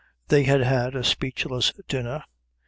They had had a speechless dinner.